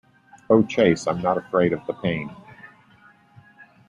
Oh, Chase, I'm not afraid of the pain.